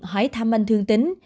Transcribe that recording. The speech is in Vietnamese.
hỏi thăm anh thương tín